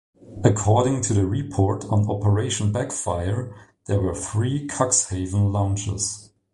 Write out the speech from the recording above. According to the Report on Operation Backfire, there were three Cuxhaven launches.